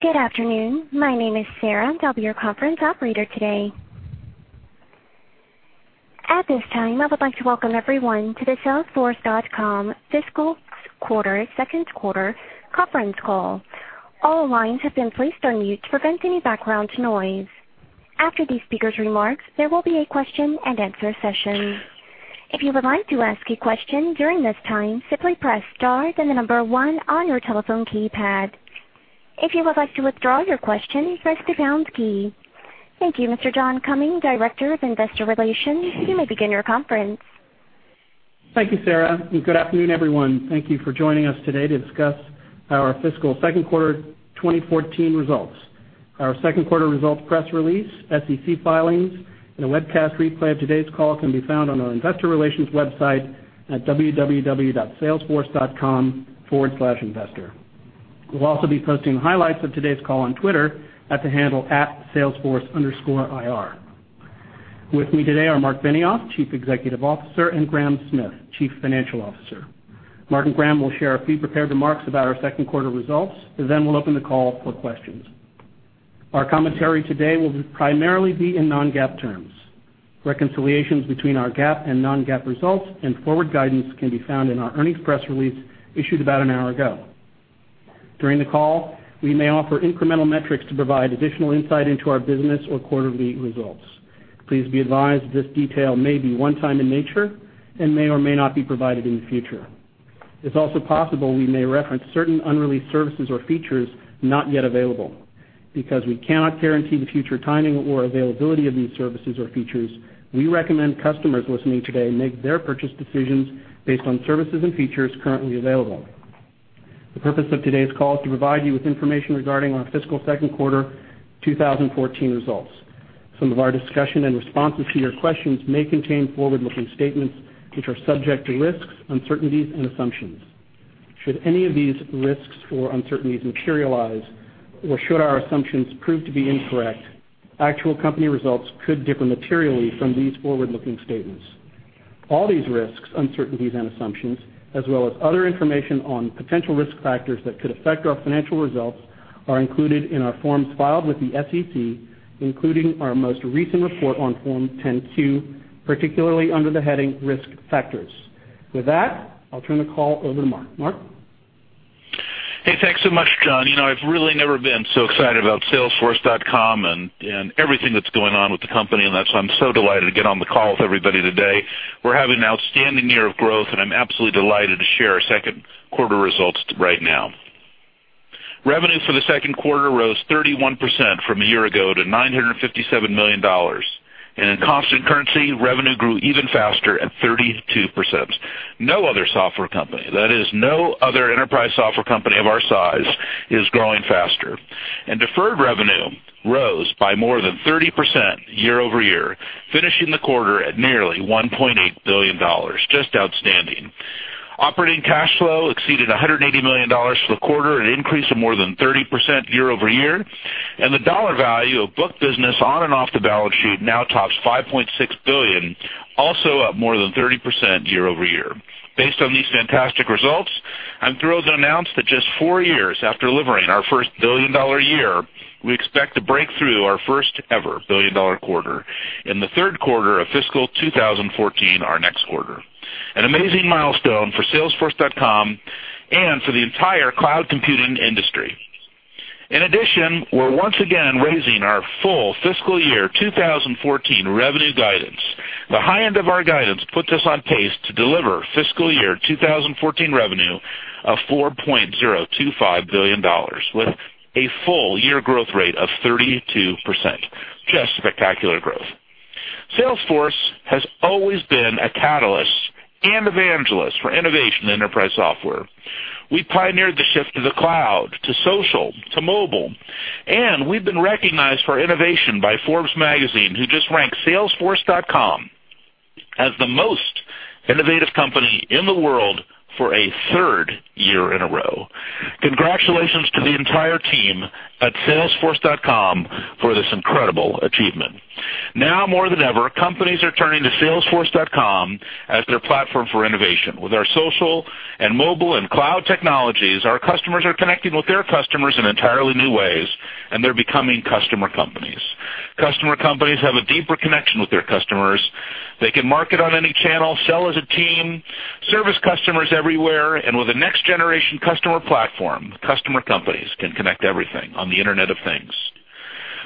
Good afternoon. My name is Sarah, and I'll be your conference operator today. At this time, I would like to welcome everyone to the salesforce.com fiscal second-quarter conference call. All lines have been placed on mute to prevent any background noise. After the speakers' remarks, there will be a question and answer session. If you would like to ask a question during this time, simply press star, then the number one on your telephone keypad. If you would like to withdraw your question, press the pound key. Thank you, Mr. John Cummings, Director of Investor Relations. You may begin your conference. Thank you, Sarah, good afternoon, everyone. Thank you for joining us today to discuss our fiscal second quarter 2014 results. Our second quarter results press release, SEC filings, and a webcast replay of today's call can be found on our investor relations website at www.salesforce.com/investor. We'll also be posting highlights of today's call on Twitter at the handle @salesforce_IR. With me today are Marc Benioff, Chief Executive Officer, and Graham Smith, Chief Financial Officer. Marc and Graham will share a few prepared remarks about our second quarter results. We'll open the call for questions. Our commentary today will primarily be in non-GAAP terms. Reconciliations between our GAAP and non-GAAP results and forward guidance can be found in our earnings press release issued about an hour ago. During the call, we may offer incremental metrics to provide additional insight into our business or quarterly results. Please be advised this detail may be one-time in nature and may or may not be provided in the future. It's also possible we may reference certain unreleased services or features not yet available. Because we cannot guarantee the future timing or availability of these services or features, we recommend customers listening today make their purchase decisions based on services and features currently available. The purpose of today's call is to provide you with information regarding our fiscal second quarter 2014 results. Some of our discussion and responses to your questions may contain forward-looking statements, which are subject to risks, uncertainties, and assumptions. Should any of these risks or uncertainties materialize, or should our assumptions prove to be incorrect, actual company results could differ materially from these forward-looking statements. All these risks, uncertainties, and assumptions, as well as other information on potential risk factors that could affect our financial results, are included in our forms filed with the SEC, including our most recent report on Form 10-Q, particularly under the heading Risk Factors. With that, I'll turn the call over to Marc. Marc? Hey, thanks so much, John. I've really never been so excited about salesforce.com and everything that's going on with the company, and that's why I'm so delighted to get on the call with everybody today. We're having an outstanding year of growth, and I'm absolutely delighted to share our second quarter results right now. Revenue for the second quarter rose 31% from a year ago to $957 million. In constant currency, revenue grew even faster at 32%. No other software company, that is, no other enterprise software company of our size, is growing faster. Deferred revenue rose by more than 30% year-over-year, finishing the quarter at nearly $1.8 billion. Just outstanding. Operating cash flow exceeded $180 million for the quarter, an increase of more than 30% year-over-year. The dollar value of booked business on and off the balance sheet now tops $5.6 billion, also up more than 30% year-over-year. Based on these fantastic results, I'm thrilled to announce that just four years after delivering our first billion-dollar year, we expect to break through our first ever billion-dollar quarter in the third quarter of fiscal 2014, our next quarter. An amazing milestone for salesforce.com and for the entire cloud computing industry. In addition, we're once again raising our full fiscal year 2014 revenue guidance. The high end of our guidance puts us on pace to deliver fiscal year 2014 revenue of $4.025 billion with a full-year growth rate of 32%. Just spectacular growth. Salesforce has always been a catalyst and evangelist for innovation in enterprise software. We pioneered the shift to the cloud, to social, to mobile. We've been recognized for innovation by Forbes magazine, who just ranked salesforce.com as the most innovative company in the world for a third year in a row. Congratulations to the entire team at salesforce.com for this incredible achievement. Now more than ever, companies are turning to salesforce.com as their platform for innovation. With our social and mobile and cloud technologies, our customers are connecting with their customers in entirely new ways. They're becoming customer companies. Customer companies have a deeper connection with their customers. They can market on any channel, sell as a team, service customers everywhere. With a next-generation customer platform, customer companies can connect everything on the Internet of Things.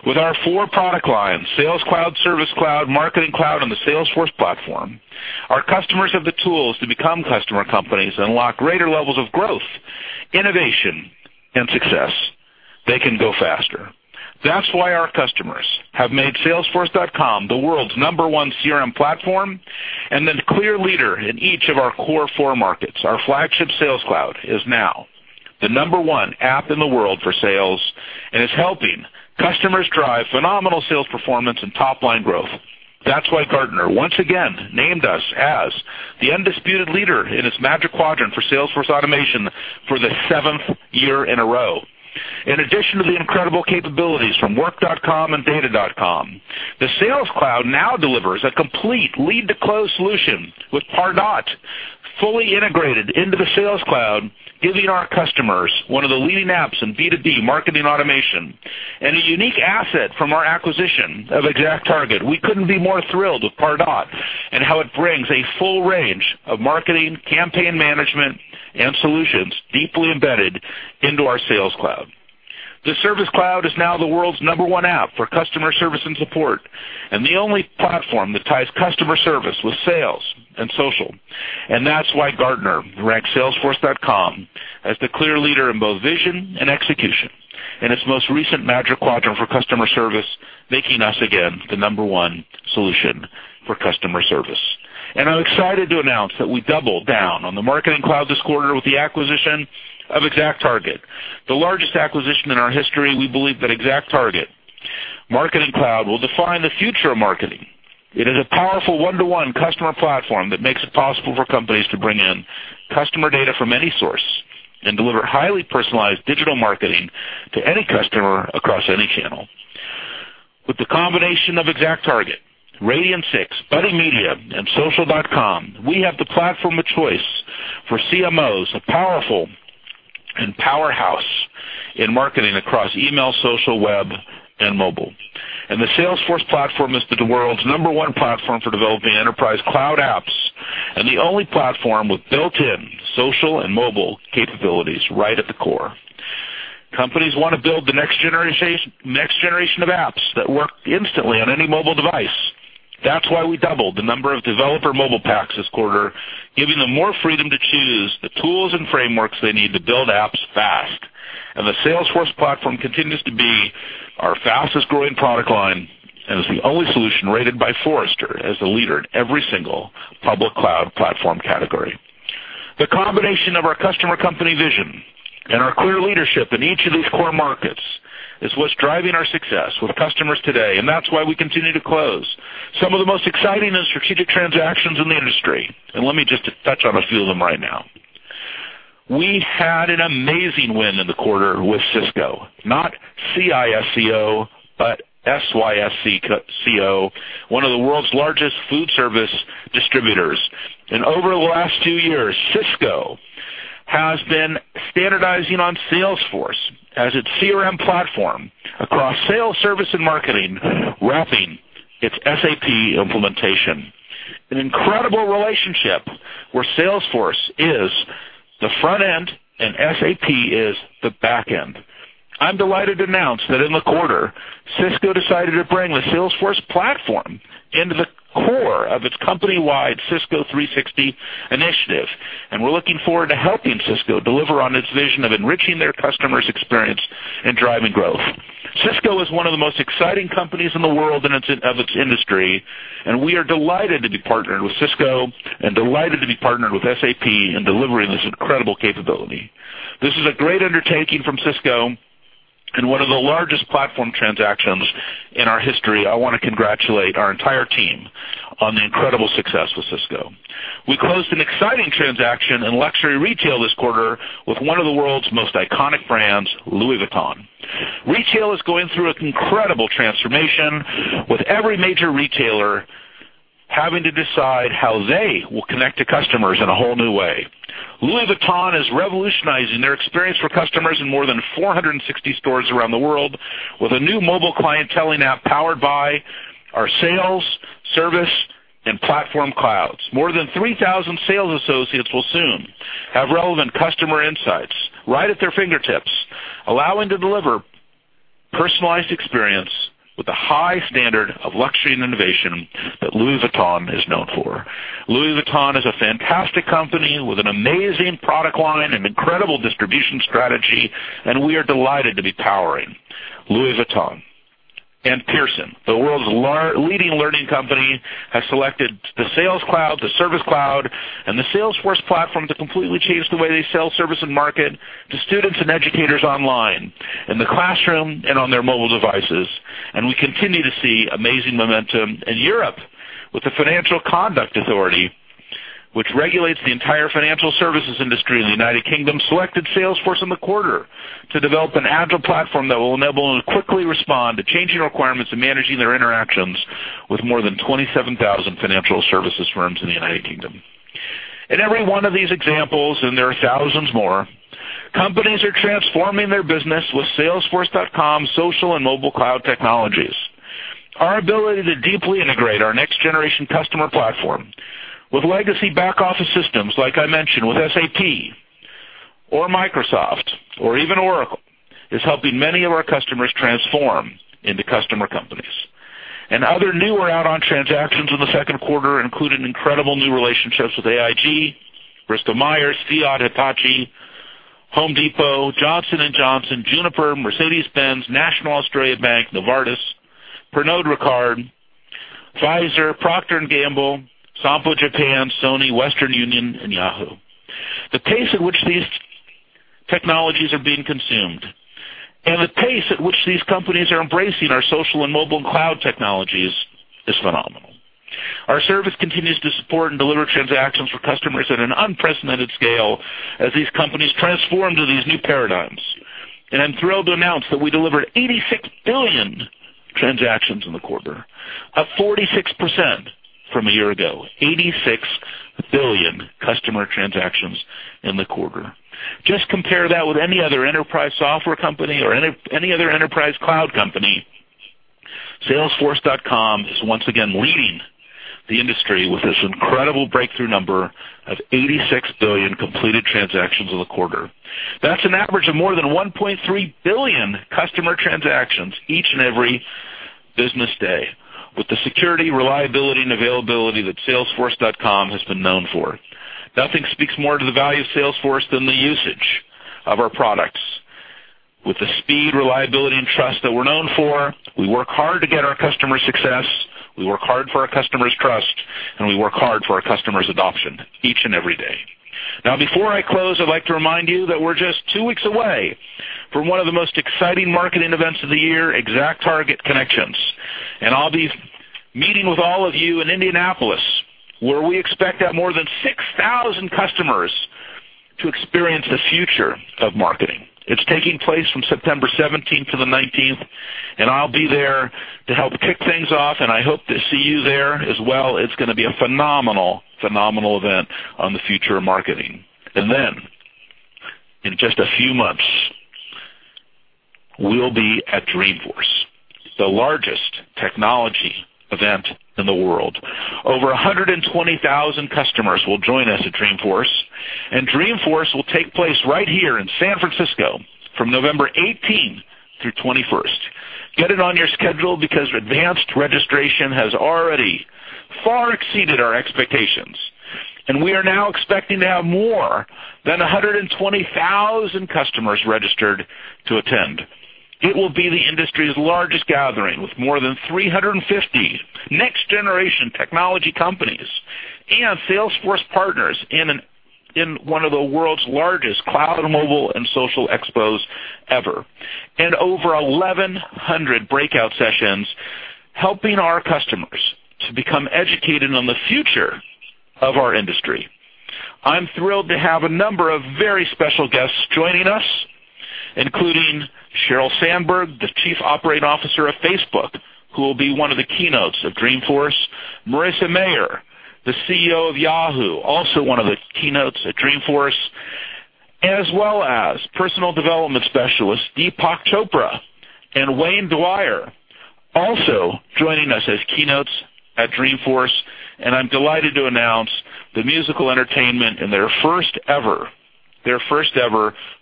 With our four product lines, Sales Cloud, Service Cloud, Marketing Cloud, and the Salesforce Platform, our customers have the tools to become customer companies and unlock greater levels of growth, innovation, and success. They can go faster. That's why our customers have made salesforce.com the world's number one CRM platform and the clear leader in each of our core four markets. Our flagship Sales Cloud is now the number one app in the world for sales and is helping customers drive phenomenal sales performance and top-line growth. That's why Gartner once again named us as the undisputed leader in its Magic Quadrant for Salesforce automation for the seventh year in a row. In addition to the incredible capabilities from Work.com and Data.com, the Sales Cloud now delivers a complete lead-to-close solution with Pardot fully integrated into the Sales Cloud, giving our customers one of the leading apps in B2B marketing automation and a unique asset from our acquisition of ExactTarget. We couldn't be more thrilled with Pardot and how it brings a full range of marketing, campaign management, and solutions deeply embedded into our Sales Cloud. The Service Cloud is now the world's number 1 app for customer service and support, and the only platform that ties customer service with sales and social. That's why Gartner ranked salesforce.com as the clear leader in both vision and execution in its most recent Magic Quadrant for customer service, making us again the number 1 solution for customer service. I'm excited to announce that we doubled down on the Marketing Cloud this quarter with the acquisition of ExactTarget, the largest acquisition in our history. We believe that ExactTarget Marketing Cloud will define the future of marketing. It is a powerful one-to-one customer platform that makes it possible for companies to bring in customer data from any source and deliver highly personalized digital marketing to any customer across any channel. With the combination of ExactTarget, Radian6, Buddy Media, and Social.com, we have the platform of choice for CMOs, a powerful and powerhouse in marketing across email, social, web, and mobile. The Salesforce Platform is the world's number 1 platform for developing enterprise cloud apps and the only platform with built-in social and mobile capabilities right at the core. Companies want to build the next generation of apps that work instantly on any mobile device. That's why we doubled the number of developer mobile packs this quarter, giving them more freedom to choose the tools and frameworks they need to build apps fast. The Salesforce Platform continues to be our fastest-growing product line and is the only solution rated by Forrester as the leader in every single public cloud platform category. The combination of our customer company vision and our clear leadership in each of these core markets is what's driving our success with customers today, and that's why we continue to close some of the most exciting and strategic transactions in the industry. Let me just touch on a few of them right now. We had an amazing win in the quarter with Sysco, not C-I-S-C-O, but S-Y-S-C-O, one of the world's largest food service distributors. Over the last two years, Sysco has been standardizing on Salesforce as its CRM platform across sales, service, and marketing, wrapping its SAP implementation. An incredible relationship where Salesforce is the front end and SAP is the back end. I'm delighted to announce that in the quarter, Sysco decided to bring the Salesforce Platform into the core of its company-wide Sysco360 initiative, and we're looking forward to helping Sysco deliver on its vision of enriching their customers' experience and driving growth. Sysco is one of the most exciting companies in the world of its industry, and we are delighted to be partnered with Sysco and delighted to be partnered with SAP in delivering this incredible capability. This is a great undertaking from Sysco and one of the largest platform transactions in our history. I want to congratulate our entire team on the incredible success with Sysco. We closed an exciting transaction in luxury retail this quarter with one of the world's most iconic brands, Louis Vuitton. Retail is going through an incredible transformation, with every major retailer having to decide how they will connect to customers in a whole new way. Louis Vuitton is revolutionizing their experience for customers in more than 460 stores around the world, with a new mobile clienteling app powered by our Sales Cloud, Service Cloud, and Salesforce Platform. More than 3,000 sales associates will soon have relevant customer insights right at their fingertips, allowing to deliver personalized experience with the high standard of luxury and innovation that Louis Vuitton is known for. Louis Vuitton is a fantastic company with an amazing product line and incredible distribution strategy, and we are delighted to be powering Louis Vuitton. Pearson, the world's leading learning company, has selected the Sales Cloud, the Service Cloud, and the Salesforce Platform to completely change the way they sell service and market to students and educators online, in the classroom, and on their mobile devices. We continue to see amazing momentum in Europe with the Financial Conduct Authority, which regulates the entire financial services industry in the United Kingdom, selected Salesforce in the quarter to develop an agile platform that will enable them to quickly respond to changing requirements and managing their interactions with more than 27,000 financial services firms in the United Kingdom. In every one of these examples, and there are thousands more, companies are transforming their business with salesforce.com social and mobile cloud technologies. Our ability to deeply integrate our next-generation customer platform with legacy back-office systems, like I mentioned, with SAP or Microsoft or even Oracle, is helping many of our customers transform into customer companies. Other new or add-on transactions in the second quarter include incredible new relationships with AIG, Bristol-Myers, Fiat, Hitachi, Home Depot, Johnson & Johnson, Juniper, Mercedes-Benz, National Australia Bank, Novartis, Pernod Ricard, Pfizer, Procter & Gamble, Sompo Japan, Sony, Western Union, and Yahoo. The pace at which these technologies are being consumed and the pace at which these companies are embracing our social and mobile cloud technologies is phenomenal. Our service continues to support and deliver transactions for customers at an unprecedented scale as these companies transform to these new paradigms. I'm thrilled to announce that we delivered $86 billion transactions in the quarter, up 46% from a year ago, $86 billion customer transactions in the quarter. Just compare that with any other enterprise software company or any other enterprise cloud company. salesforce.com is once again leading the industry with this incredible breakthrough number of $86 billion completed transactions in the quarter. That's an average of more than $1.3 billion customer transactions each and every business day with the security, reliability, and availability that salesforce.com has been known for. Nothing speaks more to the value of Salesforce than the usage of our products. With the speed, reliability, and trust that we're known for, we work hard to get our customers success, we work hard for our customers' trust, and we work hard for our customers' adoption each and every day. Before I close, I'd like to remind you that we're just two weeks away from one of the most exciting marketing events of the year, ExactTarget Connections. I'll be meeting with all of you in Indianapolis, where we expect to have more than 6,000 customers to experience the future of marketing. It's taking place from September 17th to the 19th. I'll be there to help kick things off. I hope to see you there as well. It's going to be a phenomenal event on the future of marketing. In just a few months, we'll be at Dreamforce, the largest technology event in the world. Over 120,000 customers will join us at Dreamforce. Dreamforce will take place right here in San Francisco from November 18th through 21st. Get it on your schedule because advanced registration has already far exceeded our expectations. We are now expecting to have more than 120,000 customers registered to attend. It will be the industry's largest gathering, with more than 350 next-generation technology companies and Salesforce partners in one of the world's largest cloud and mobile and social expos ever. Over 1,100 breakout sessions helping our customers to become educated on the future of our industry. I'm thrilled to have a number of very special guests joining us, including Sheryl Sandberg, the Chief Operating Officer of Facebook, who will be one of the keynotes of Dreamforce, Marissa Mayer, the CEO of Yahoo, also one of the keynotes at Dreamforce, as well as personal development specialists Deepak Chopra and Wayne Dyer, also joining us as keynotes at Dreamforce. I'm delighted to announce the musical entertainment in their first-ever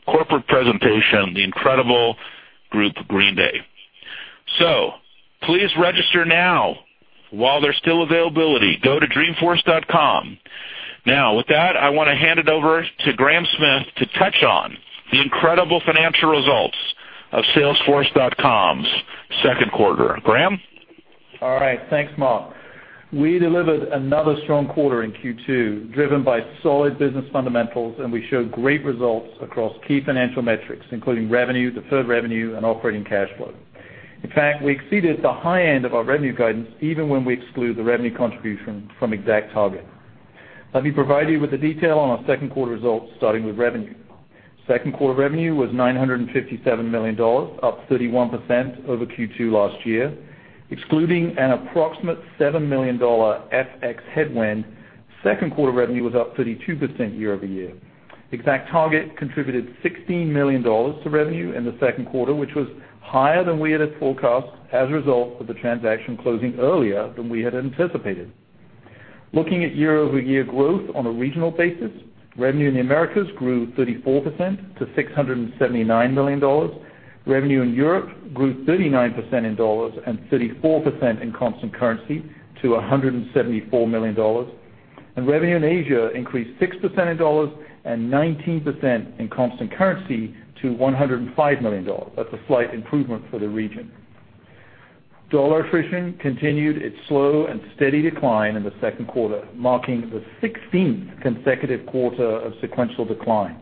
corporate presentation, the incredible group, Green Day. Please register now while there's still availability. Go to dreamforce.com. With that, I want to hand it over to Graham Smith to touch on the incredible financial results of salesforce.com's second quarter. Graham? All right. Thanks, Marc. We delivered another strong quarter in Q2, driven by solid business fundamentals. We showed great results across key financial metrics, including revenue, deferred revenue, and operating cash flow. In fact, we exceeded the high end of our revenue guidance, even when we exclude the revenue contribution from ExactTarget. Let me provide you with the detail on our second quarter results, starting with revenue. Second quarter revenue was $957 million, up 31% over Q2 last year. Excluding an approximate $7 million FX headwind, second quarter revenue was up 32% year-over-year. ExactTarget contributed $16 million to revenue in the second quarter, which was higher than we had forecast as a result of the transaction closing earlier than we had anticipated. Looking at year-over-year growth on a regional basis, revenue in the Americas grew 34% to $679 million. Revenue in Europe grew 39% in $ and 34% in constant currency to $174 million. Revenue in Asia increased 6% in $ and 19% in constant currency to $105 million. That is a slight improvement for the region. Dollar attrition continued its slow and steady decline in the second quarter, marking the 16th consecutive quarter of sequential decline,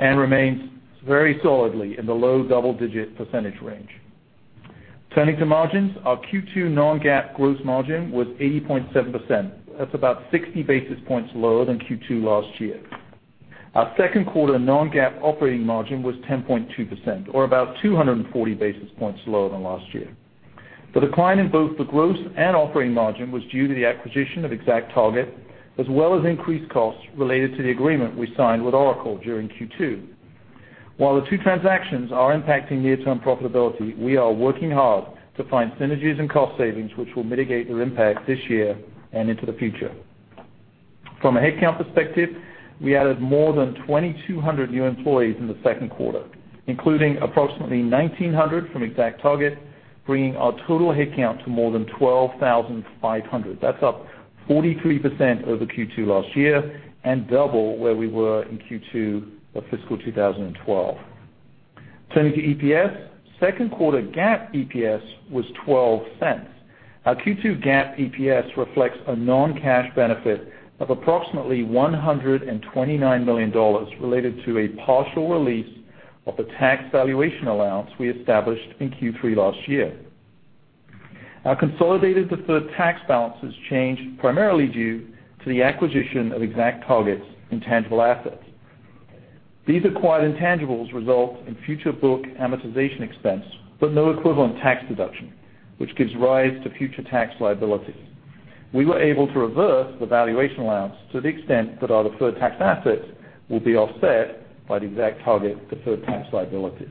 and remains very solidly in the low double-digit percentage range. Turning to margins, our Q2 non-GAAP gross margin was 80.7%. That is about 60 basis points lower than Q2 last year. Our second quarter non-GAAP operating margin was 10.2%, or about 240 basis points lower than last year. The decline in both the gross and operating margin was due to the acquisition of ExactTarget, as well as increased costs related to the agreement we signed with Oracle during Q2. While the two transactions are impacting near-term profitability, we are working hard to find synergies and cost savings, which will mitigate their impact this year and into the future. From a headcount perspective, we added more than 2,200 new employees in the second quarter, including approximately 1,900 from ExactTarget, bringing our total headcount to more than 12,500. That is up 43% over Q2 last year and double where we were in Q2 of fiscal 2012. Turning to EPS, second quarter GAAP EPS was $0.12. Our Q2 GAAP EPS reflects a non-cash benefit of approximately $129 million related to a partial release of the tax valuation allowance we established in Q3 last year. Our consolidated deferred tax balances changed primarily due to the acquisition of ExactTarget's intangible assets. These acquired intangibles result in future book amortization expense, but no equivalent tax deduction, which gives rise to future tax liability. We were able to reverse the valuation allowance to the extent that our deferred tax assets will be offset by the ExactTarget deferred tax liabilities.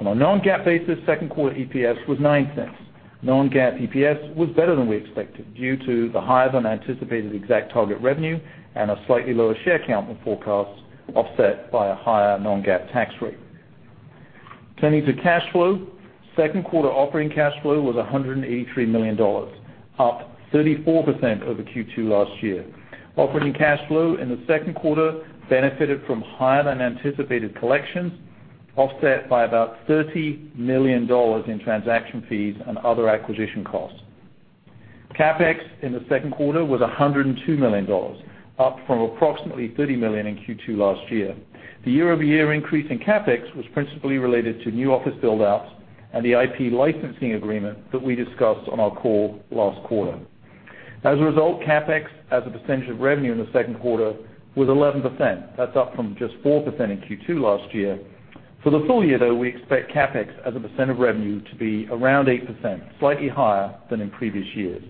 On a non-GAAP basis, second quarter EPS was $0.09. Non-GAAP EPS was better than we expected due to the higher-than-anticipated ExactTarget revenue and a slightly lower share count than forecast, offset by a higher non-GAAP tax rate. Turning to cash flow, second quarter operating cash flow was $183 million, up 34% over Q2 last year. Operating cash flow in the second quarter benefited from higher-than-anticipated collections, offset by about $30 million in transaction fees and other acquisition costs. CapEx in the second quarter was $102 million, up from approximately $30 million in Q2 last year. The year-over-year increase in CapEx was principally related to new office build-outs and the IP licensing agreement that we discussed on our call last quarter. As a result, CapEx as a percentage of revenue in the second quarter was 11%. That is up from just 4% in Q2 last year. For the full year, though, we expect CapEx as a percent of revenue to be around 8%, slightly higher than in previous years.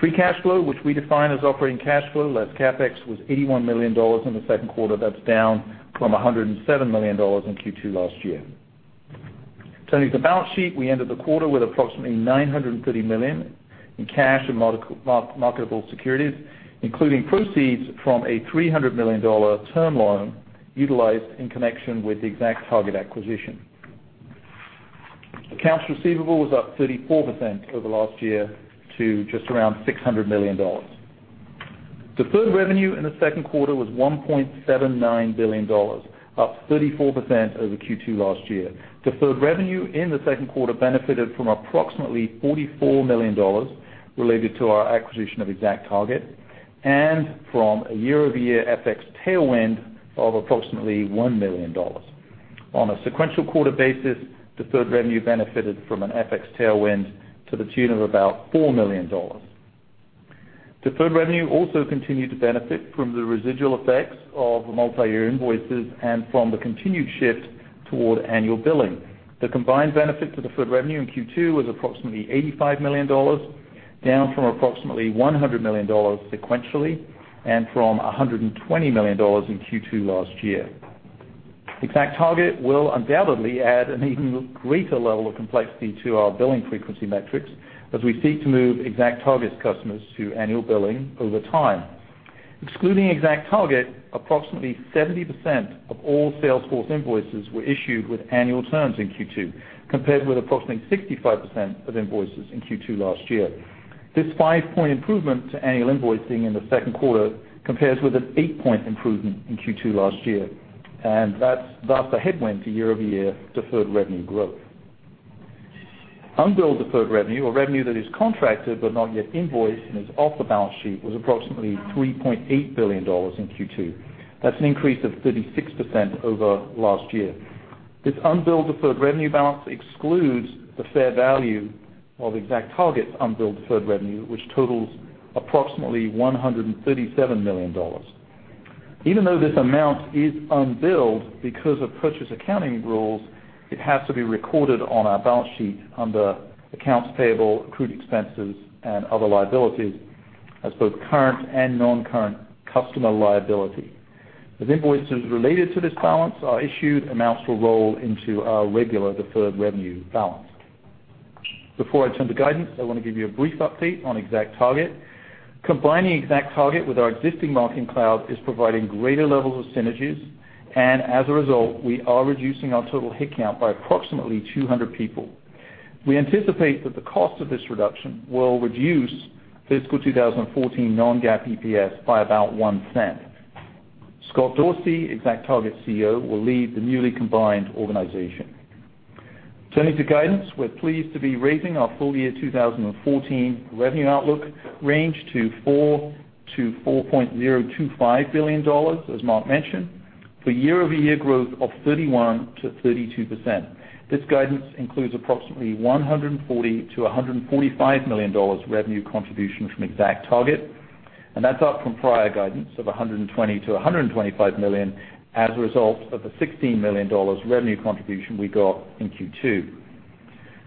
Free cash flow, which we define as operating cash flow less CapEx, was $81 million in the second quarter. That is down from $107 million in Q2 last year. Turning to the balance sheet, we ended the quarter with approximately $930 million in cash and marketable securities, including proceeds from a $300 million term loan utilized in connection with the ExactTarget acquisition. Accounts receivable was up 34% over last year to just around $600 million. Deferred revenue in the second quarter was $1.79 billion, up 34% over Q2 last year. Deferred revenue in the second quarter benefited from approximately $44 million related to our acquisition of ExactTarget and from a year-over-year FX tailwind of approximately $1 million. On a sequential quarter basis, deferred revenue benefited from an FX tailwind to the tune of about $4 million. Deferred revenue also continued to benefit from the residual effects of multi-year invoices and from the continued shift toward annual billing. The combined benefit to deferred revenue in Q2 was approximately $85 million, down from approximately $100 million sequentially and from $120 million in Q2 last year. ExactTarget will undoubtedly add an even greater level of complexity to our billing frequency metrics as we seek to move ExactTarget's customers to annual billing over time. Excluding ExactTarget, approximately 70% of all Salesforce invoices were issued with annual terms in Q2, compared with approximately 65% of invoices in Q2 last year. This five-point improvement to annual invoicing in the second quarter compares with an eight-point improvement in Q2 last year, that's a headwind to year-over-year deferred revenue growth. Unbilled deferred revenue, or revenue that is contracted but not yet invoiced and is off the balance sheet, was approximately $3.8 billion in Q2. That's an increase of 36% over last year. This unbilled deferred revenue balance excludes the fair value of ExactTarget's unbilled deferred revenue, which totals approximately $137 million. Even though this amount is unbilled, because of purchase accounting rules, it has to be recorded on our balance sheet under accounts payable, accrued expenses, and other liabilities as both current and non-current customer liability. As invoices related to this balance are issued, amounts will roll into our regular deferred revenue balance. Before I turn to guidance, I want to give you a brief update on ExactTarget. Combining ExactTarget with our existing Marketing Cloud is providing greater levels of synergies, and as a result, we are reducing our total head count by approximately 200 people. We anticipate that the cost of this reduction will reduce fiscal 2014 non-GAAP EPS by about $0.01. Scott Dorsey, ExactTarget's CEO, will lead the newly combined organization. Turning to guidance, we're pleased to be raising our full year 2014 revenue outlook range to $4 billion-$4.025 billion, as Marc mentioned, for year-over-year growth of 31%-32%. This guidance includes approximately $140 million-$145 million revenue contribution from ExactTarget, that's up from prior guidance of $120 million-$125 million as a result of the $16 million revenue contribution we got in Q2.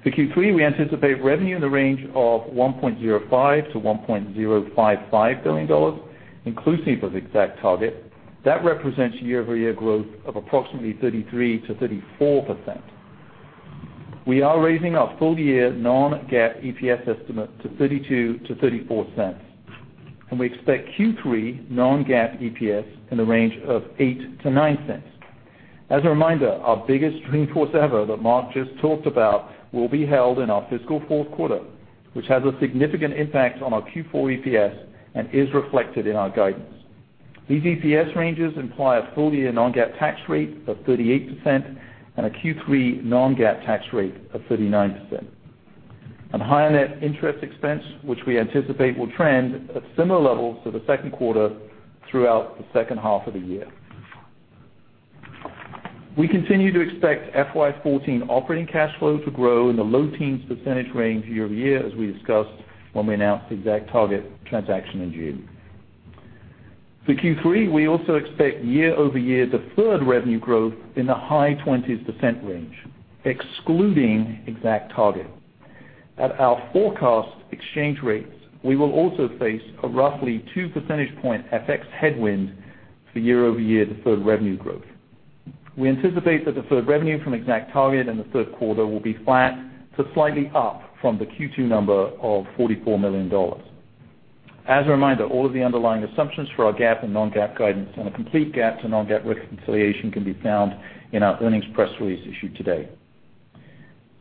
For Q3, we anticipate revenue in the range of $1.05 billion-$1.055 billion, inclusive of ExactTarget. That represents year-over-year growth of approximately 33%-34%. We are raising our full-year non-GAAP EPS estimate to $0.32-$0.34, and we expect Q3 non-GAAP EPS in the range of $0.08-$0.09. As a reminder, our biggest Dreamforce ever that Marc just talked about will be held in our fiscal fourth quarter, which has a significant impact on our Q4 EPS and is reflected in our guidance. These EPS ranges imply a full-year non-GAAP tax rate of 38% and a Q3 non-GAAP tax rate of 39%. Higher net interest expense, which we anticipate will trend at similar levels to the second quarter throughout the second half of the year. We continue to expect FY 2014 operating cash flow to grow in the low teens percentage range year-over-year, as we discussed when we announced the ExactTarget transaction in June. For Q3, we also expect year-over-year deferred revenue growth in the high 20s% range, excluding ExactTarget. At our forecast exchange rates, we will also face a roughly two percentage point FX headwind for year-over-year deferred revenue growth. We anticipate deferred revenue from ExactTarget in the third quarter will be flat to slightly up from the Q2 number of $44 million. As a reminder, all of the underlying assumptions for our GAAP and non-GAAP guidance and a complete GAAP to non-GAAP reconciliation can be found in our earnings press release issued today.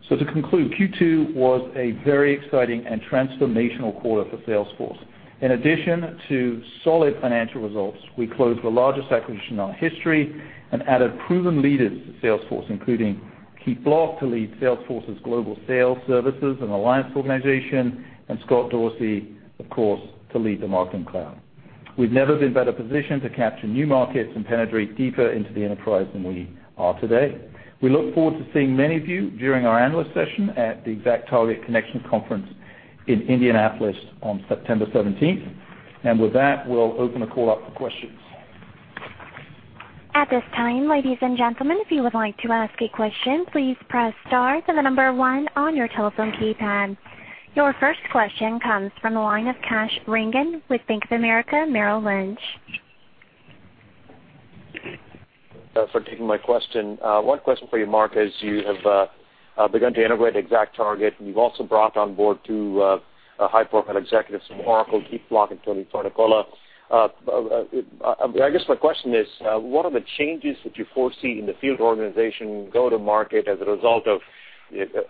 To conclude, Q2 was a very exciting and transformational quarter for Salesforce. In addition to solid financial results, we closed the largest acquisition in our history and added proven leaders to Salesforce, including Keith Block to lead Salesforce's global sales, services, and alliance organization, and Scott Dorsey, of course, to lead the Marketing Cloud. We've never been better positioned to capture new markets and penetrate deeper into the enterprise than we are today. We look forward to seeing many of you during our analyst session at the ExactTarget Connections Conference in Indianapolis on September 17th. With that, we'll open the call up for questions. At this time, ladies and gentlemen, if you would like to ask a question, please press star, then the number one on your telephone keypad. Your first question comes from the line of Kash Rangan with Bank of America Merrill Lynch. For taking my question. One question for you, Marc, as you have begun to integrate ExactTarget, and you've also brought on board two high-profile executives from Oracle, Keith Block and Anthony Fernicola. I guess my question is, what are the changes that you foresee in the field organization go-to-market as a result of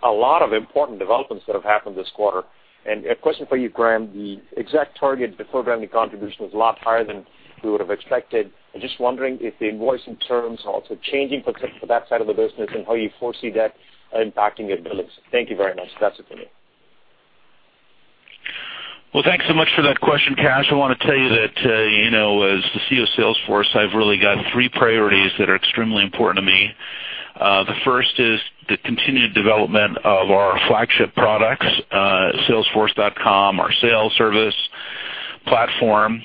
a lot of important developments that have happened this quarter? A question for you, Graham. The ExactTarget deferred revenue contribution was a lot higher than we would have expected. I'm just wondering if the invoicing terms are also changing for that side of the business and how you foresee that impacting your billings. Thank you very much. That's it for me. Well, thanks so much for that question, Kash. I want to tell you that, as the CEO of Salesforce, I've really got three priorities that are extremely important to me. The first is the continued development of our flagship products, salesforce.com, our sales service platform.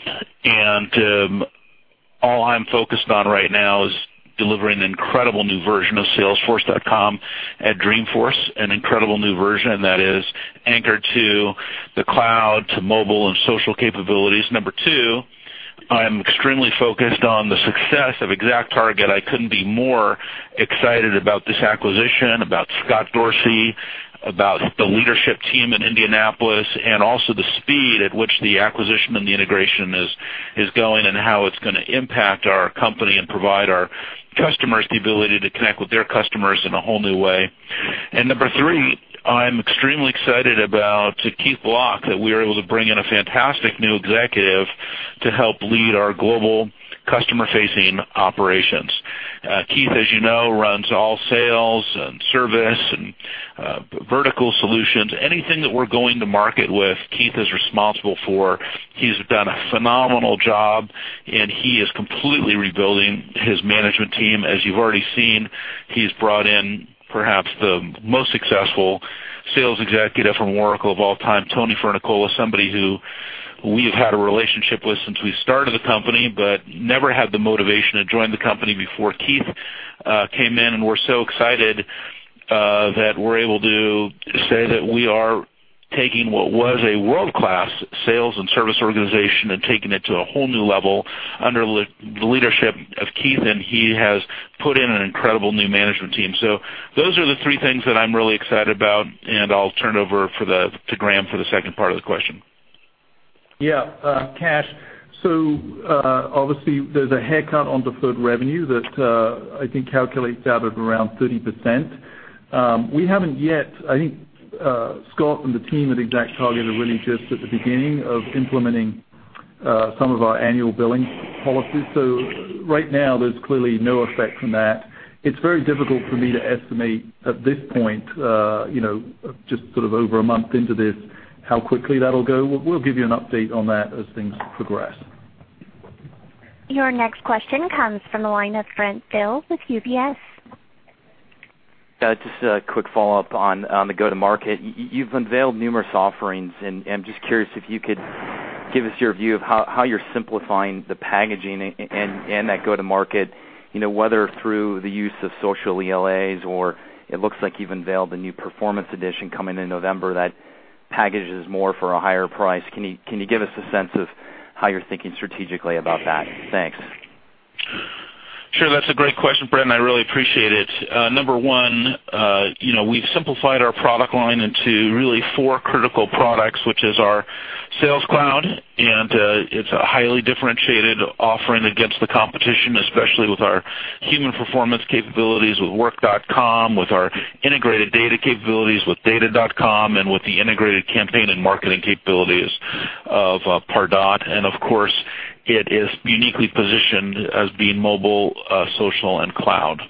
All I'm focused on right now is delivering an incredible new version of salesforce.com at Dreamforce, an incredible new version that is anchored to the cloud, to mobile, and social capabilities. Number two, I'm extremely focused on the success of ExactTarget. I couldn't be more excited about this acquisition, about Scott Dorsey, about the leadership team in Indianapolis, and also the speed at which the acquisition and the integration is going, and how it's going to impact our company and provide our customers the ability to connect with their customers in a whole new way. Number three, I'm extremely excited about Keith Block, that we are able to bring in a fantastic new executive to help lead our global customer-facing operations. Keith, as you know, runs all sales and service and vertical solutions. Anything that we're going to market with, Keith is responsible for. He's done a phenomenal job, and he is completely rebuilding his management team. As you've already seen, he's brought in perhaps the most successful sales executive from Oracle of all time, Anthony Fernicola, somebody who we have had a relationship with since we started the company but never had the motivation to join the company before Keith came in. We're so excited that we're able to say that we are taking what was a world-class sales and service organization and taking it to a whole new level under the leadership of Keith, and he has put in an incredible new management team. Those are the three things that I'm really excited about, and I'll turn it over to Graham for the second part of the question. Yeah. Kash, obviously there's a haircut on deferred revenue that I think calculates out at around 30%. I think Scott and the team at ExactTarget are really just at the beginning of implementing some of our annual billing policies. Right now, there's clearly no effect from that. It's very difficult for me to estimate at this point, just sort of over a month into this, how quickly that'll go. We'll give you an update on that as things progress. Your next question comes from the line of Brent Thill with UBS. Just a quick follow-up on the go-to-market. You've unveiled numerous offerings. I'm just curious if you could give us your view of how you're simplifying the packaging and that go-to-market, whether through the use of social ELAs. It looks like you've unveiled a new Performance Edition coming in November that packages more for a higher price. Can you give us a sense of how you're thinking strategically about that? Thanks. Sure. That's a great question, Brent, and I really appreciate it. Number 1, we've simplified our product line into really four critical products, which is our Sales Cloud, and it's a highly differentiated offering against the competition, especially with our human performance capabilities with Work.com, with our integrated data capabilities with Data.com, and with the integrated campaign and marketing capabilities of Pardot. Of course, it is uniquely positioned as being mobile, social, and cloud.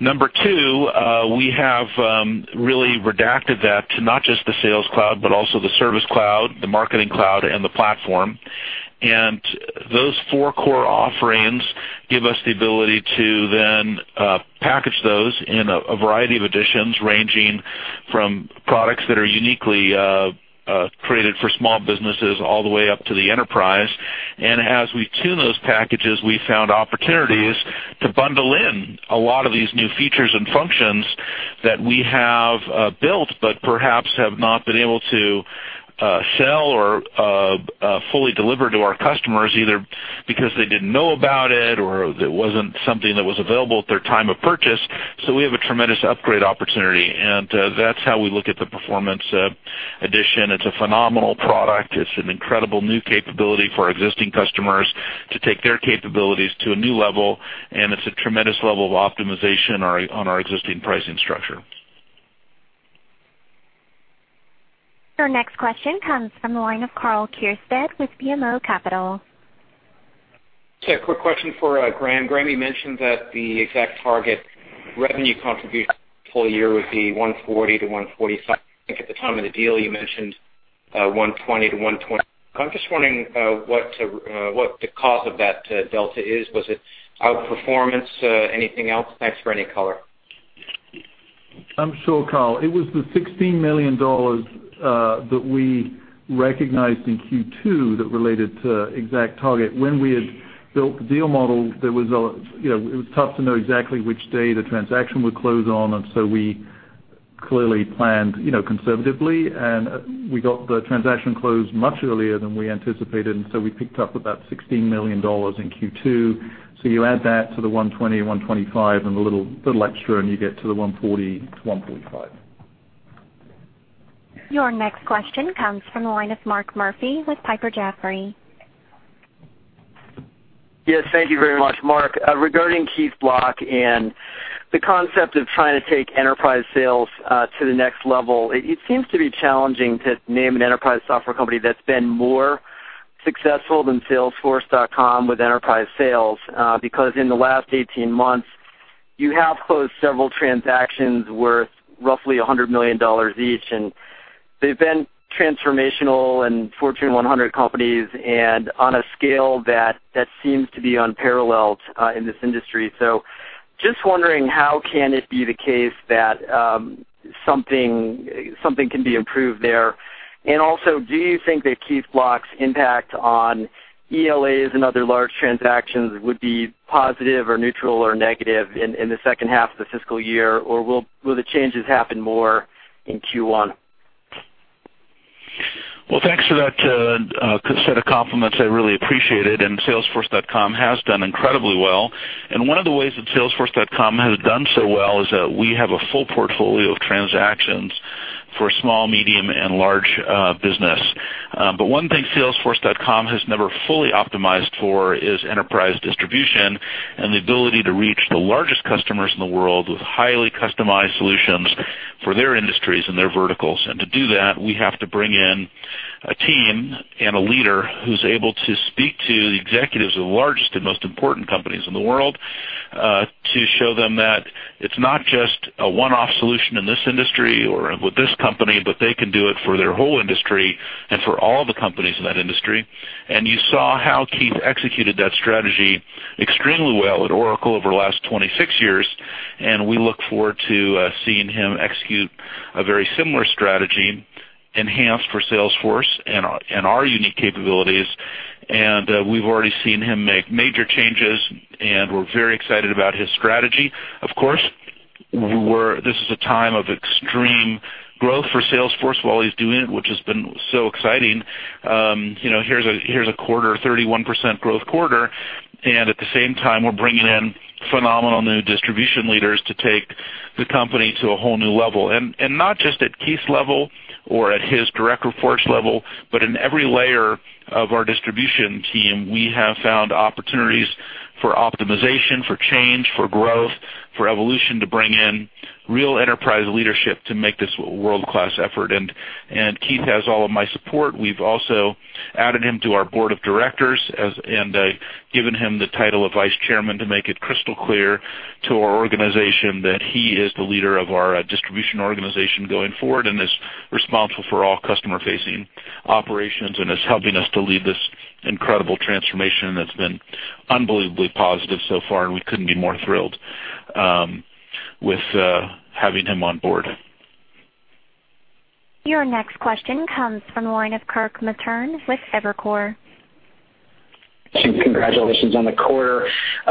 Number 2, we have really redacted that to not just the Sales Cloud, but also the Service Cloud, the Marketing Cloud, and the Platform. Those four core offerings give us the ability to then package those in a variety of editions, ranging from products that are uniquely created for small businesses all the way up to the enterprise. As we tune those packages, we found opportunities to bundle in a lot of these new features and functions that we have built, but perhaps have not been able to sell or fully deliver to our customers, either because they didn't know about it or it wasn't something that was available at their time of purchase. We have a tremendous upgrade opportunity, and that's how we look at the Performance Edition. It's a phenomenal product. It's an incredible new capability for our existing customers to take their capabilities to a new level, and it's a tremendous level of optimization on our existing pricing structure. Your next question comes from the line of Karl Keirstead with BMO Capital. Okay, a quick question for Graham. Graham, you mentioned that the ExactTarget revenue contribution full year would be $140 million-$145 million. I think at the time of the deal, you mentioned $120 million-$120 million. I'm just wondering what the cause of that delta is. Was it outperformance? Anything else? Thanks for any color. I'm sure, Karl. It was the $16 million that we recognized in Q2 that related to ExactTarget. When we had built the deal model, it was tough to know exactly which day the transaction would close on. We clearly planned conservatively. We got the transaction closed much earlier than we anticipated. We picked up about $16 million in Q2. You add that to the $120 million, $125 million, and a little extra. You get to the $140 million-$145 million. Your next question comes from the line of Mark Murphy with Piper Jaffray. Yes, thank you very much, Mark. Regarding Keith Block and the concept of trying to take enterprise sales to the next level, it seems to be challenging to name an enterprise software company that's been more successful than salesforce.com with enterprise sales, because in the last 18 months, you have closed several transactions worth roughly $100 million each, and they've been transformational and Fortune 100 companies, and on a scale that seems to be unparalleled in this industry. Just wondering, how can it be the case that something can be improved there? Also, do you think that Keith Block's impact on ELAs and other large transactions would be positive or neutral or negative in the second half of the fiscal year? Or will the changes happen more in Q1? Well, thanks for that set of compliments. I really appreciate it. And salesforce.com has done incredibly well, and one of the ways that salesforce.com has done so well is that we have a full portfolio of transactions for small, medium, and large business. But one thing salesforce.com has never fully optimized for is enterprise distribution and the ability to reach the largest customers in the world with highly customized solutions for their industries and their verticals. And to do that, we have to bring in a team and a leader who's able to speak to the executives of the largest and most important companies in the world, to show them that it's not just a one-off solution in this industry or with this company, but they can do it for their whole industry and for all the companies in that industry. You saw how Keith executed that strategy extremely well at Oracle over the last 26 years, and we look forward to seeing him execute a very similar strategy enhanced for Salesforce and our unique capabilities. We've already seen him make major changes, and we're very excited about his strategy. Of course, this is a time of extreme growth for Salesforce while he's doing it, which has been so exciting. Here's a quarter, 31% growth quarter, and at the same time, we're bringing in phenomenal new distribution leaders to take the company to a whole new level. Not just at Keith's level or at his direct reports level, but in every layer of our distribution team, we have found opportunities for optimization, for change, for growth, for evolution, to bring in real enterprise leadership to make this a world-class effort, and Keith has all of my support. We've also added him to our board of directors, and given him the title of Vice Chairman to make it crystal clear to our organization that he is the leader of our distribution organization going forward, and is responsible for all customer-facing operations, and is helping us to lead this incredible transformation that's been unbelievably positive so far, and we couldn't be more thrilled with having him on board. Your next question comes from the line of Kirk Materne with Evercore. Congratulations on the quarter.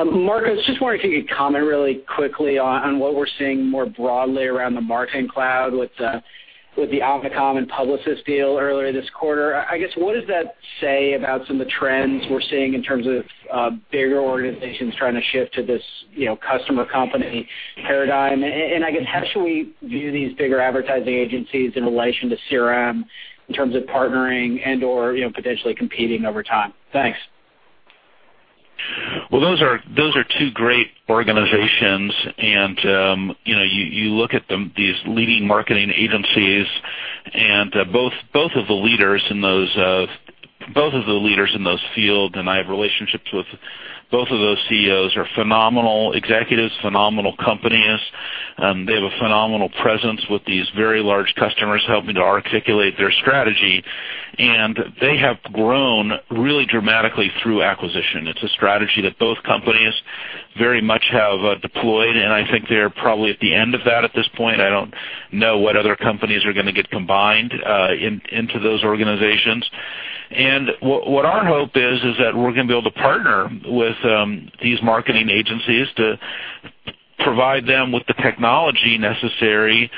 Marc, I just wanted to get your comment really quickly on what we're seeing more broadly around the Marketing Cloud with the Omnicom and Publicis deal earlier this quarter. I guess, what does that say about some of the trends we're seeing in terms of bigger organizations trying to shift to this customer company paradigm? How should we view these bigger advertising agencies in relation to CRM in terms of partnering and/or potentially competing over time? Thanks. Well, those are two great organizations. You look at these leading marketing agencies and both of the leaders in those field. I have relationships with Both of those CEOs are phenomenal executives, phenomenal companies. They have a phenomenal presence with these very large customers helping to articulate their strategy. They have grown really dramatically through acquisition. It's a strategy that both companies very much have deployed, and I think they're probably at the end of that at this point. I don't know what other companies are going to get combined into those organizations. What our hope is that we're going to be able to partner with these marketing agencies to provide them with the technology necessary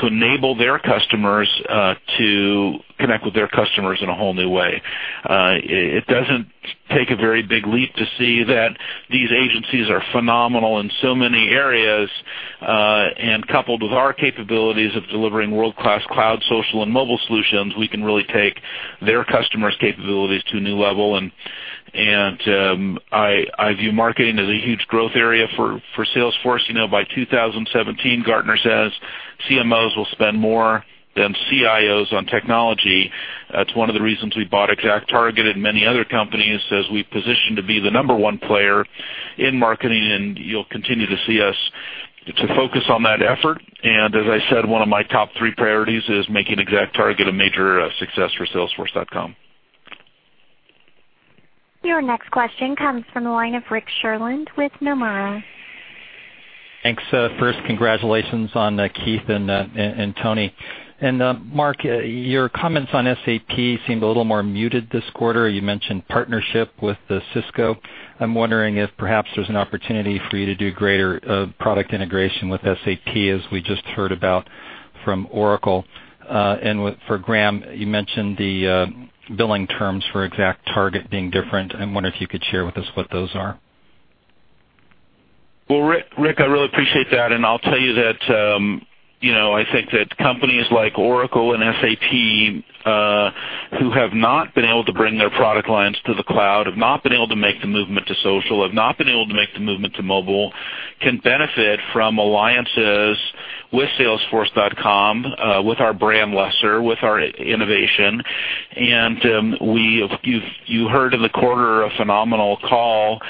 to enable their customers to connect with their customers in a whole new way. It doesn't take a very big leap to see that these agencies are phenomenal in so many areas. Coupled with our capabilities of delivering world-class cloud, social, and mobile solutions, we can really take their customers' capabilities to a new level. I view marketing as a huge growth area for Salesforce. By 2017, Gartner says CMOs will spend more than CIOs on technology. That's one of the reasons we bought ExactTarget and many other companies as we position to be the number one player in marketing. You'll continue to see us to focus on that effort. As I said, one of my top three priorities is making ExactTarget a major success for salesforce.com. Your next question comes from the line of Rick Sherlund with Nomura. Thanks. First, congratulations on Keith and Tony. Marc, your comments on SAP seemed a little more muted this quarter. You mentioned partnership with Cisco. I'm wondering if perhaps there's an opportunity for you to do greater product integration with SAP, as we just heard about from Oracle. For Graham, you mentioned the billing terms for ExactTarget being different. I wonder if you could share with us what those are. Well, Rick, I really appreciate that, and I'll tell you that I think that companies like Oracle and SAP, who have not been able to bring their product lines to the cloud, have not been able to make the movement to social, have not been able to make the movement to mobile, can benefit from alliances with salesforce.com, with our brand leadership, with our innovation. You heard in the quarter a phenomenal call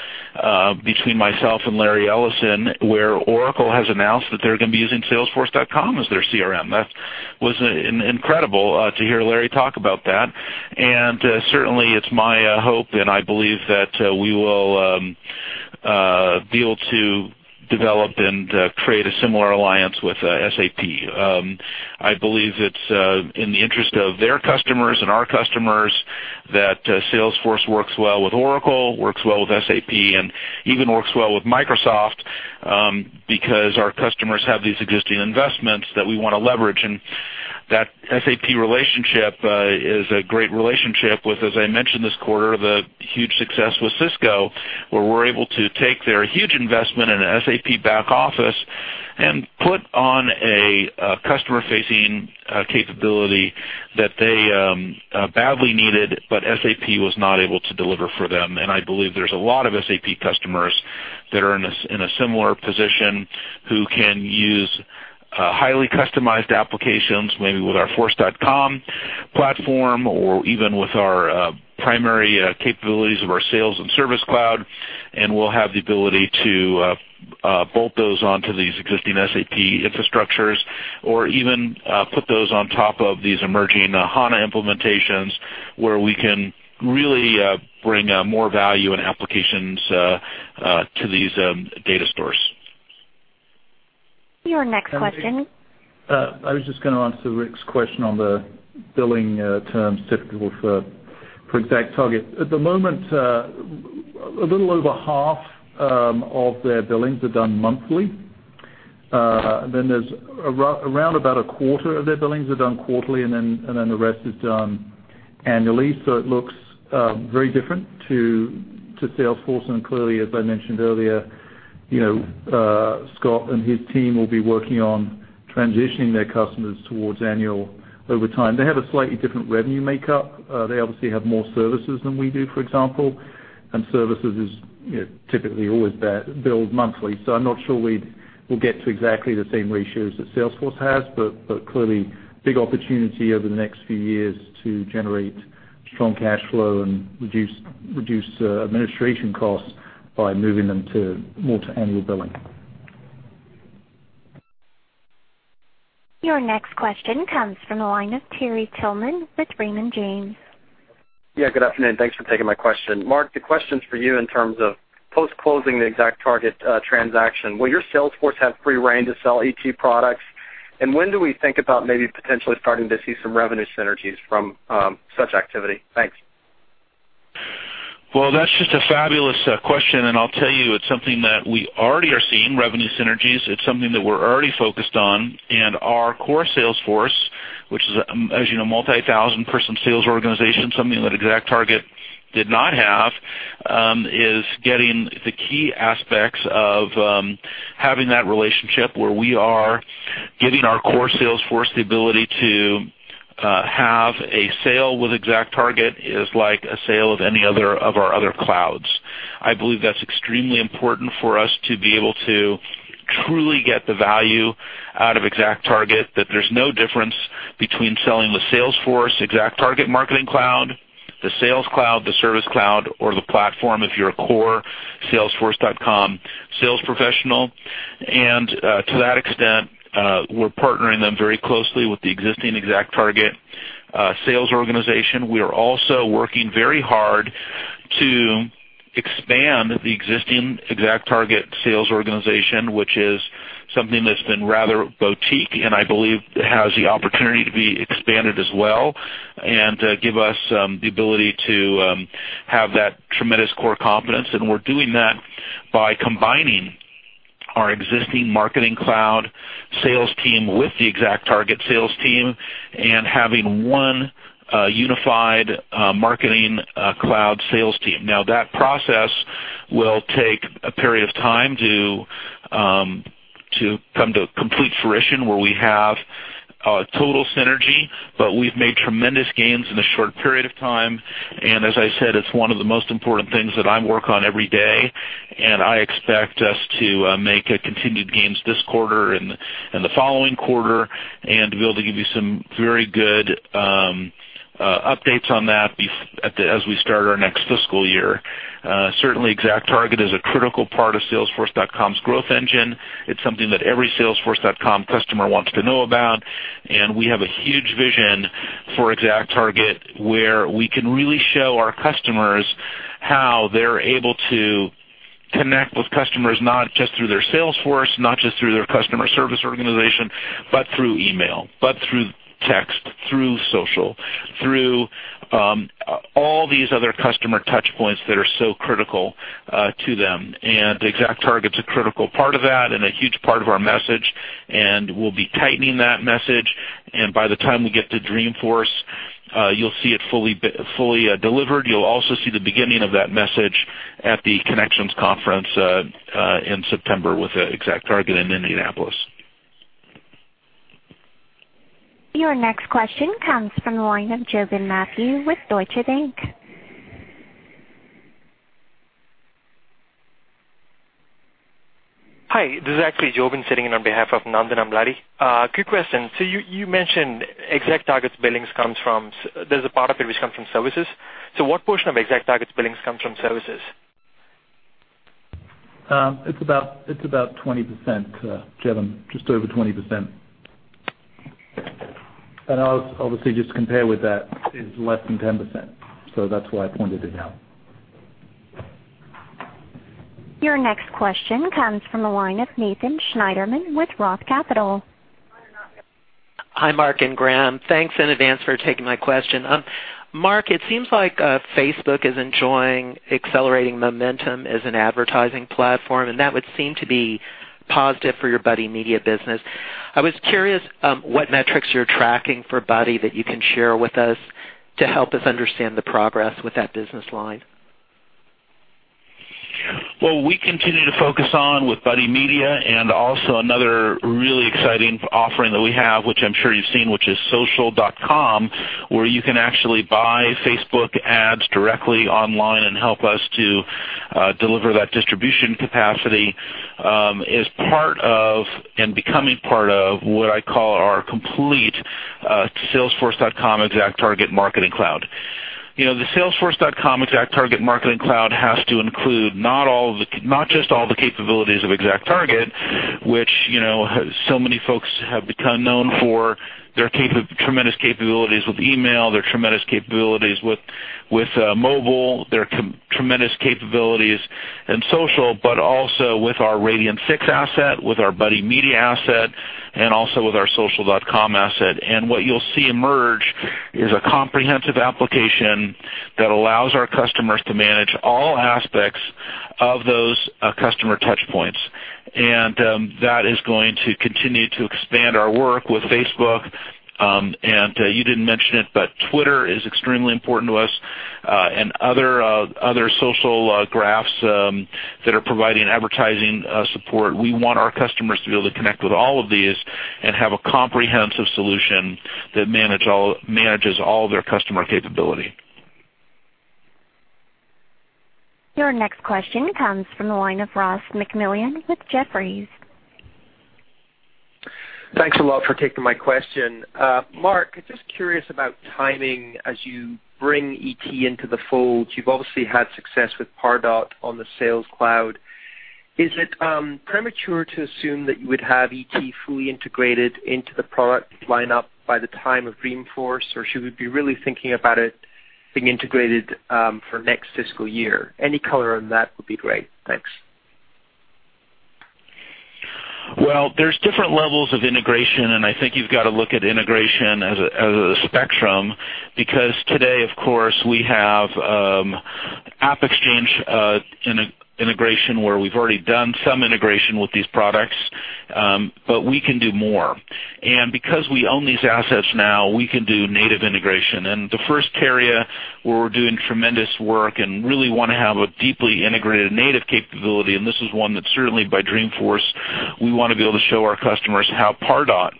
between myself and Larry Ellison, where Oracle has announced that they're going to be using salesforce.com as their CRM. That was incredible to hear Larry talk about that. Certainly, it's my hope, and I believe that we will be able to develop and create a similar alliance with SAP. I believe it's in the interest of their customers and our customers that Salesforce works well with Oracle, works well with SAP, and even works well with Microsoft, because our customers have these existing investments that we want to leverage. That SAP relationship is a great relationship with, as I mentioned this quarter, the huge success with Cisco, where we're able to take their huge investment in an SAP back office and put on a customer-facing capability that they badly needed, but SAP was not able to deliver for them. I believe there's a lot of SAP customers that are in a similar position who can use highly customized applications, maybe with our force.com platform or even with our primary capabilities of our Sales Cloud and Service Cloud, and we'll have the ability to bolt those onto these existing SAP infrastructures or even put those on top of these emerging HANA implementations, where we can really bring more value and applications to these data stores. Your next question. I was just going to answer Rick's question on the billing terms typical for ExactTarget. At the moment, a little over half of their billings are done monthly. There's around about a quarter of their billings are done quarterly, and the rest is done annually. It looks very different to Salesforce, and clearly, as I mentioned earlier, Scott and his team will be working on transitioning their customers towards annual over time. They have a slightly different revenue makeup. They obviously have more services than we do, for example, and services is typically always billed monthly. I'm not sure we'll get to exactly the same ratios that Salesforce has, but clearly big opportunity over the next few years to generate strong cash flow and reduce administration costs by moving them more to annual billing. Your next question comes from the line of Terry Tillman with Raymond James. Good afternoon. Thanks for taking my question. Marc, the question's for you in terms of post-closing the ExactTarget transaction. Will your Salesforce have free rein to sell ET products? When do we think about maybe potentially starting to see some revenue synergies from such activity? Thanks. Well, that's just a fabulous question. I'll tell you it's something that we already are seeing, revenue synergies. It's something that we're already focused on. Our core Salesforce, which is, as you know, multi-thousand person sales organization, something that ExactTarget did not have, is getting the key aspects of having that relationship where we are giving our core Salesforce the ability to have a sale with ExactTarget is like a sale of any other of our other clouds. I believe that's extremely important for us to be able to truly get the value out of ExactTarget, that there's no difference between selling the Salesforce ExactTarget Marketing Cloud, the Sales Cloud, the Service Cloud, or the platform if you're a core salesforce.com sales professional. To that extent, we're partnering them very closely with the existing ExactTarget sales organization. We are also working very hard to expand the existing ExactTarget sales organization, which is something that's been rather boutique. I believe has the opportunity to be expanded as well. Give us the ability to have that tremendous core competence. We're doing that by combining our existing Marketing Cloud sales team with the ExactTarget sales team and having one unified Marketing Cloud sales team. That process will take a period of time to come to complete fruition where we have total synergy. We've made tremendous gains in a short period of time. As I said, it's one of the most important things that I work on every day. I expect us to make continued gains this quarter and the following quarter and be able to give you some very good updates on that as we start our next fiscal year. Certainly, ExactTarget is a critical part of salesforce.com's growth engine. It's something that every salesforce.com customer wants to know about. We have a huge vision for ExactTarget where we can really show our customers how they're able to connect with customers, not just through their Salesforce, not just through their customer service organization, but through email, but through text, through social, through all these other customer touchpoints that are so critical to them. ExactTarget's a critical part of that. A huge part of our message. We'll be tightening that message. By the time we get to Dreamforce, you'll see it fully delivered. You'll also see the beginning of that message at the Connections conference in September with ExactTarget in Indianapolis. Your next question comes from the line of Jovin Mathew with Deutsche Bank. Hi. This is actually Jovin sitting in on behalf of Nandan Amladi. Quick question. You mentioned ExactTarget's billings, there's a part of it which comes from services. What portion of ExactTarget's billings come from services? It's about 20%, Jovin, just over 20%. Obviously, just to compare with that, it's less than 10%. That's why I pointed it out. Your next question comes from the line of Nathan Schneiderman with Roth Capital. Hi, Marc and Graham. Thanks in advance for taking my question. Marc, it seems like Facebook is enjoying accelerating momentum as an advertising platform, and that would seem to be positive for your Buddy Media business. I was curious what metrics you're tracking for Buddy that you can share with us to help us understand the progress with that business line. Well, we continue to focus on with Buddy Media and also another really exciting offering that we have, which I'm sure you've seen, which is social.com, where you can actually buy Facebook ads directly online and help us to deliver that distribution capacity, is part of and becoming part of what I call our complete salesforce.com ExactTarget Marketing Cloud. The salesforce.com ExactTarget Marketing Cloud has to include not just all the capabilities of ExactTarget, which so many folks have become known for, their tremendous capabilities with email, their tremendous capabilities with mobile, their tremendous capabilities in social, but also with our Radian6 asset, with our Buddy Media asset, and also with our social.com asset. What you'll see emerge is a comprehensive application that allows our customers to manage all aspects of those customer touchpoints. That is going to continue to expand our work with Facebook. You didn't mention it, but Twitter is extremely important to us, and other social graphs that are providing advertising support. We want our customers to be able to connect with all of these and have a comprehensive solution that manages all their customer capability. Your next question comes from the line of Ross MacMillan with Jefferies. Thanks a lot for taking my question. Marc, just curious about timing as you bring ET into the fold. You've obviously had success with Pardot on the Sales Cloud. Is it premature to assume that you would have ET fully integrated into the product lineup by the time of Dreamforce, or should we be really thinking about it being integrated for next fiscal year? Any color on that would be great. Thanks. Well, there's different levels of integration, and I think you've got to look at integration as a spectrum, because today, of course, we have AppExchange integration, where we've already done some integration with these products, but we can do more. Because we own these assets now, we can do native integration. The first area where we're doing tremendous work and really want to have a deeply integrated native capability, and this is one that certainly by Dreamforce, we want to be able to show our customers how Pardot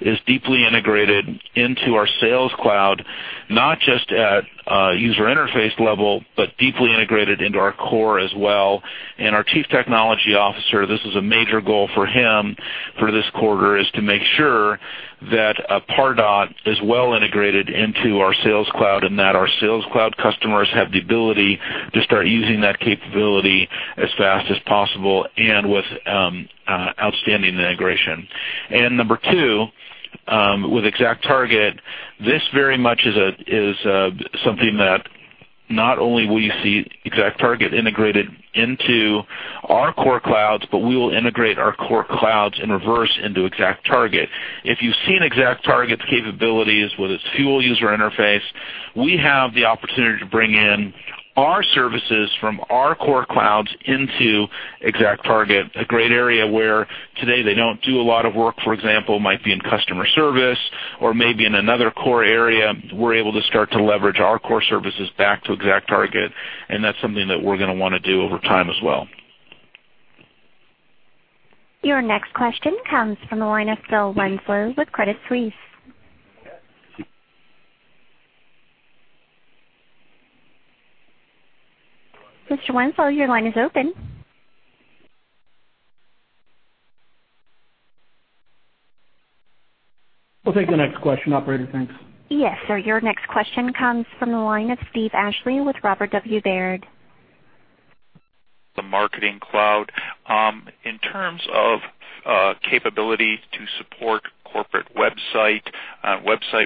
is deeply integrated into our Sales Cloud, not just at a user interface level, but deeply integrated into our core as well. Our Chief Technology Officer, this is a major goal for him for this quarter, is to make sure that Pardot is well integrated into our Sales Cloud and that our Sales Cloud customers have the ability to start using that capability as fast as possible and with outstanding integration. Number two, with ExactTarget, this very much is something that not only will you see ExactTarget integrated into our core clouds, but we will integrate our core clouds in reverse into ExactTarget. If you've seen ExactTarget's capabilities with its Fuel user interface, we have the opportunity to bring in our services from our core clouds into ExactTarget, a great area where today they don't do a lot of work, for example, might be in customer service or maybe in another core area. We're able to start to leverage our core services back to ExactTarget, that's something that we're going to want to do over time as well. Your next question comes from the line of Philip Winslow with Credit Suisse. Mr. Winslow, your line is open. We'll take the next question, operator. Thanks. Yes, sir. Your next question comes from the line of Steve Ashley with Robert W. Baird. The Marketing Cloud. In terms of capability to support corporate website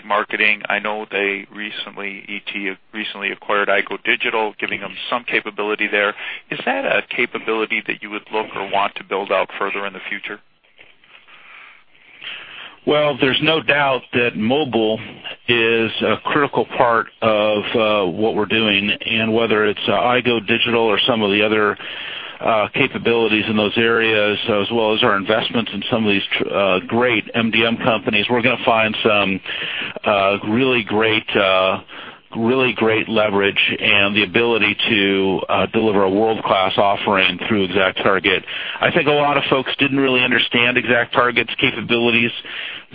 marketing, I know ET recently acquired iGoDigital, giving them some capability there. Is that a capability that you would look or want to build out further in the future? Well, there's no doubt that mobile is a critical part of what we're doing, and whether it's iGoDigital or some of the other capabilities in those areas, as well as our investments in some of these great MDM companies, we're going to find some really great leverage and the ability to deliver a world-class offering through ExactTarget. I think a lot of folks didn't really understand ExactTarget's capabilities.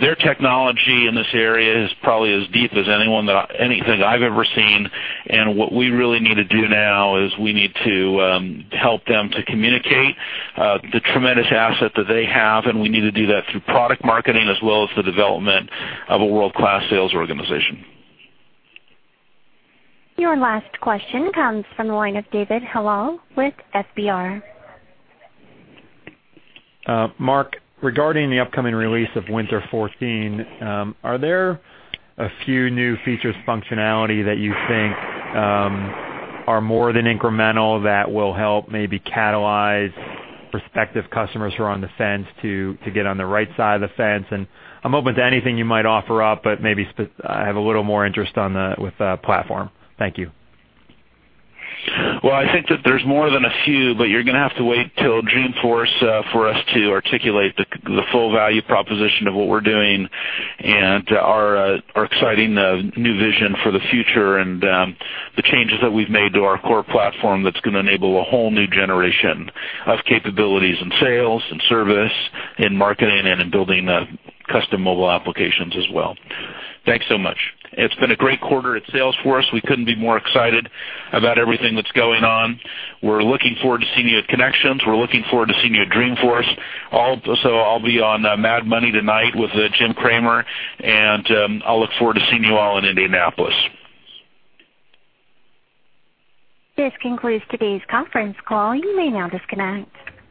Their technology in this area is probably as deep as anything I've ever seen. What we really need to do now is we need to help them to communicate the tremendous asset that they have, and we need to do that through product marketing as well as the development of a world-class sales organization. Your last question comes from the line of David Hilal with FBR. Mark, regarding the upcoming release of Winter '14, are there a few new features, functionality that you think are more than incremental that will help maybe catalyze prospective customers who are on the fence to get on the right side of the fence? I'm open to anything you might offer up, but maybe I have a little more interest with platform. Thank you. Well, I think that there's more than a few, but you're going to have to wait till Dreamforce for us to articulate the full value proposition of what we're doing and our exciting new vision for the future and the changes that we've made to our core platform that's going to enable a whole new generation of capabilities in sales and service, in marketing, and in building custom mobile applications as well. Thanks so much. It's been a great quarter at Salesforce. We couldn't be more excited about everything that's going on. We're looking forward to seeing you at Connections. We're looking forward to seeing you at Dreamforce. Also, I'll be on Mad Money tonight with Jim Cramer. I'll look forward to seeing you all in Indianapolis. This concludes today's conference call. You may now disconnect.